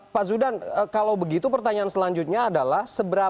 pak zudan kalau begitu pertanyaan selanjutnya adalah